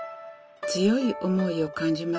強い思いを感じますね。